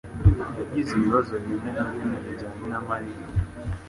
yagize ibibazo bimwe na bimwe bijyanye na Mariya.